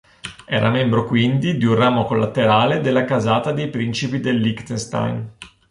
Era membro quindi di un ramo collaterale della casata dei principi del Liechtenstein.